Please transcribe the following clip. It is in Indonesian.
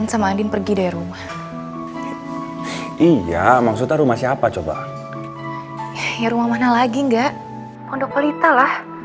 tante itu kayaknya dokter andi deh